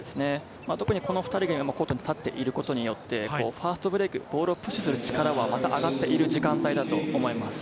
特にこの２人が今コートに立っていることによってファストブレイク、ボールを保持する力は上がっている時間帯だと思います。